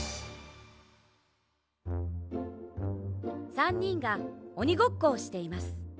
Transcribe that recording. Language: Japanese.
３にんがおにごっこをしています